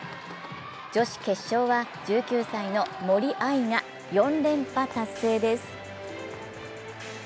女子決勝は１９歳の森秋彩が４連覇達成です。